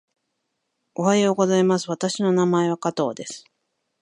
おはようございます。私の名前は加藤です。